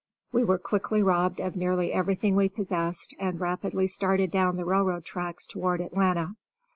We were quickly robbed of nearly everything we possessed and rapidly started down the railroad tracks toward Atlanta.